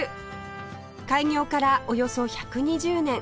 開業からおよそ１２０年